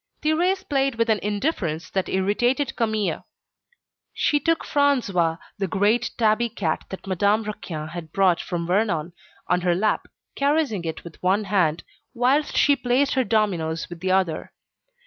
Thérèse played with an indifference that irritated Camille. She took François, the great tabby cat that Madame Raquin had brought from Vernon, on her lap, caressing it with one hand, whilst she placed her dominoes with the other.